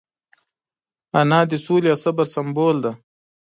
انا د سولې او صبر سمبول ده